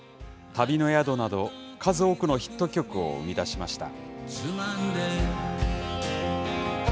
旅の宿など、数多くのヒット曲を生み出しました。